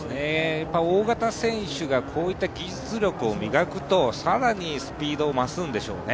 大型選手がこういった技術力を磨くと更にスピードを増すんでしょうね。